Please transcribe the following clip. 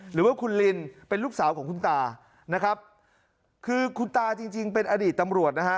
หรือว่าคุณลินเป็นลูกสาวของคุณตานะครับคือคุณตาจริงจริงเป็นอดีตตำรวจนะฮะ